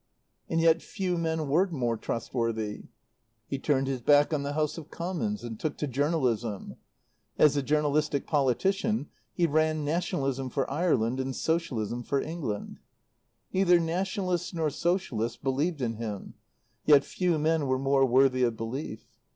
And yet few men were more trustworthy. He turned his back on the House of Commons and took to journalism. As a journalistic politician he ran Nationalism for Ireland and Socialism for England. Neither Nationalists nor Socialists believed in him; yet few men were more worthy of belief.